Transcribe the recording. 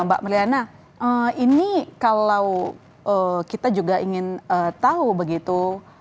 mbak meliana ini kalau kita juga ingin tahu begitu